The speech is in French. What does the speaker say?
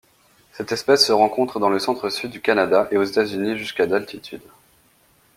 Cette espèce se rencontre dans le centre-sud du Canada et aux États-Unis jusqu'à d'altitude.